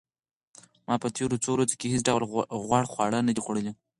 ما په تېرو څو ورځو کې هیڅ ډول غوړ خواړه نه دي خوړلي.